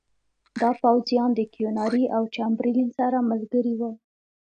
دا پوځیان د کیوناري او چمبرلین سره ملګري وو.